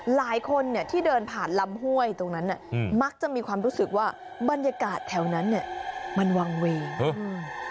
หลายคนที่เดินผ่านลำห้วยตรงนั้นมักจะมีความรู้สึกว่าบรรยากาศแถวนั้นมันวางเวง